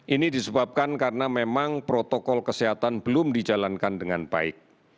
ini disebabkan karena memang protokol kesehatan belum dijalankan dengan baik